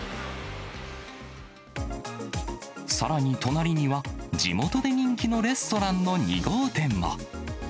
さらに隣には、地元で人気のレストランの２号店も。